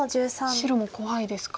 白も怖いですか。